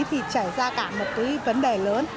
thì trải ra cả một cái vấn đề lớn